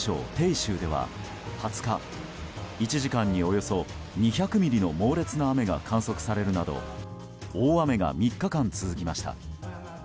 鄭州では２０日１時間におよそ２００ミリの猛烈な雨が観測されるなど大雨が３日間続きました。